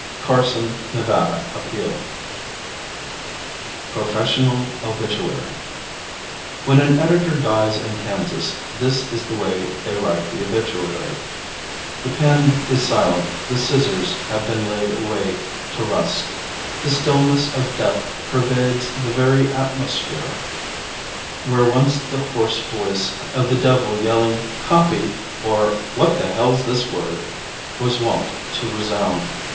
Carson (Nevada) Appeal. PROFESSIONAL OBITUARY. When an editor dies in Kansas, this is the way they write the obituary: "The pen is silent; the scissors have been laid away to rust; the stillness of death pervades the very atmosphere where once the hoarse voice of the devil yelling 'copy' or 'what the hell's this word?' was wont to resound.